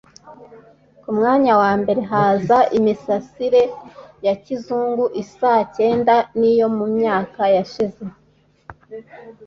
Ku mwanya wa mbere haza imisarari ya kizungu isa cyane n’iyo mu myaka yashize